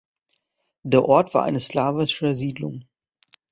Der Ort war eine slawische Siedlung.